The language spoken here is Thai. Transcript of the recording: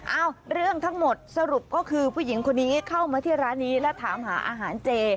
เอ้าเรื่องทั้งหมดสรุปก็คือผู้หญิงคนนี้เข้ามาที่ร้านนี้และถามหาอาหารเจ